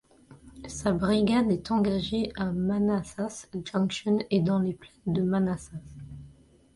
Sa brigade est engagé à Manassas Junction et dans les plaines de Manassas.